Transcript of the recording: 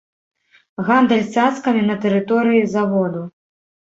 Гандаль цацкамі на тэрыторыі заводу.